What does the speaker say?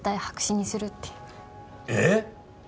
白紙にするってえっ？